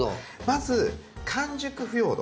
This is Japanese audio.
まず完熟腐葉土。